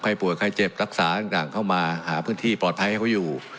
ป่วยใครเจ็บรักษาต่างเข้ามาหาพื้นที่ปลอดภัยให้เขาอยู่